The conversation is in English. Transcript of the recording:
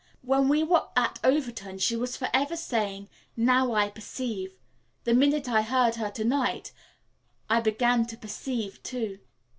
When we were at Overton she was forever saying 'Now I perceive.' The minute I heard it to night I began to perceive, too."